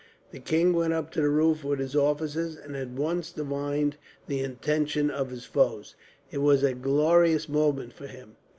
The king went up to the roof with his officers, and at once divined the intention of his foes. It was a glorious moment for him.